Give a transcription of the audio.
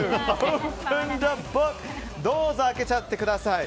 どうぞ開けちゃってください。